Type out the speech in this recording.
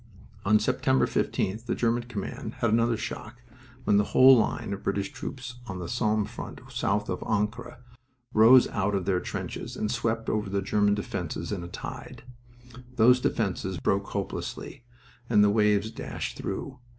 On September 15th the German command had another shock when the whole line of the British troops on the Somme front south of the Ancre rose out of their trenches and swept over the German defenses in a tide. Those defenses broke hopelessly, and the waves dashed through.